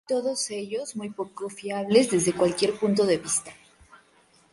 Todos ellos muy poco fiables desde cualquier punto de vista.